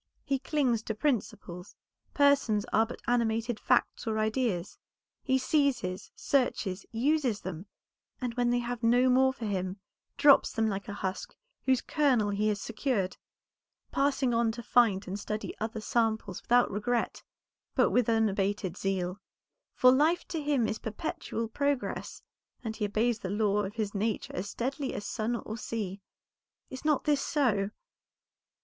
He clings to principles; persons are but animated facts or ideas; he seizes, searches, uses them, and when they have no more for him, drops them like the husk, whose kernel he has secured; passing on to find and study other samples without regret, but with unabated zeal. For life to him is perpetual progress, and he obeys the law of his nature as steadily as sun or sea. Is not this so?"